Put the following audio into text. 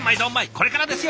これからですよ